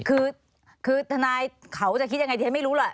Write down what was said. คือคือธนายเขาจะคิดยังไงทีไม่รู้แหละ